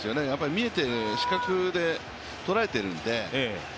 見えて、視覚で捉えているので。